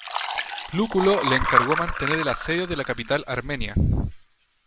Lúculo le encargó mantener el asedio de la capital armenia.